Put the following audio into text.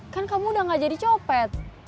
kan kamu udah gak jadi copet